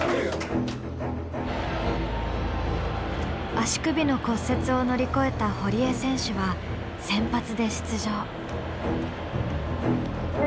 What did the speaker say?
足首の骨折を乗り越えた堀江選手は先発で出場。